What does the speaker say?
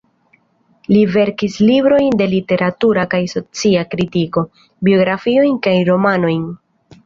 Li verkis librojn de literatura kaj socia kritiko, biografiojn kaj romanojn.